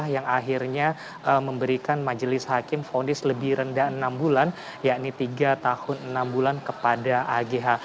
yang diberikan kepada agh ya ini tiga tahun enam bulan kepada agh